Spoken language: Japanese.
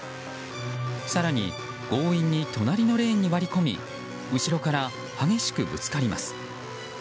更に、強引に隣のレーンに割り込み後ろから激しくぶつかります。